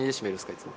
いつも。